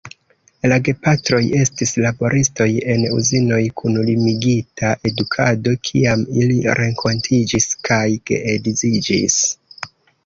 La gepatroj estis laboristoj en uzinoj kun limigita edukado, kiam ili renkontiĝis kaj geedziĝis.